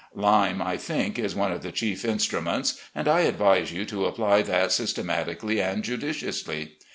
Lime, I think, is one of the chief instruments, and I advise you to apply that systematically and judiciously.